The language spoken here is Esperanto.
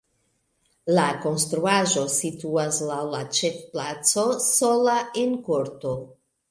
La konstruaĵo situas laŭ la ĉefplaco sola en korto.